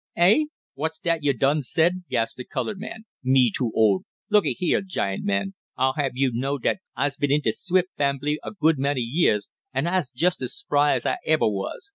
"Eh! What's dat yo' done said?" gasped the colored man. "Me too old? Looky heah, giant man, I'd hab yo' know dat I's been in de Swift fambly a good many years, an' I's jest as spry as I eber was.